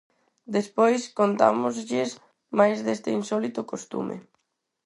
Despois, contámoslles máis deste insólito costume.